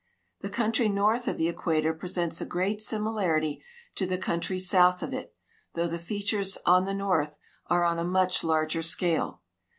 The country" north of the equator presents a great similarity to the country south of it, though the features on the north are on a much larger scale.